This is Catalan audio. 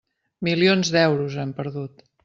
Milions d'euros, hem perdut.